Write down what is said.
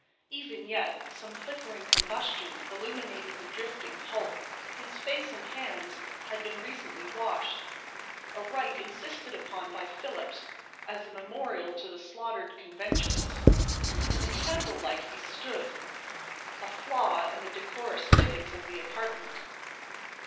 Even yet some flickering combustion illuminated the drifting hulk. His face and hands had been recently washed—a rite insisted upon by Phillips as a memorial to the slaughtered conventions. In the candle light he stood, a flaw in the decorous fittings of the apartment.